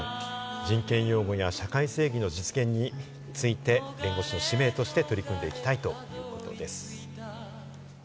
人権擁護や社会正義の実現について弁護士の使命として取り組んでいきたいということです。